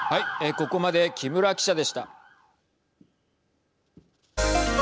ここまで木村記者でした。